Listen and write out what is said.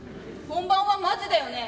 本番はマジだよね。